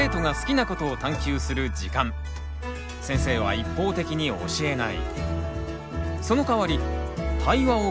先生は一方的に教えない。